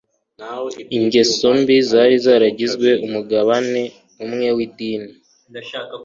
ingeso mbi zari zaragizwe umugabane umwe w’idini.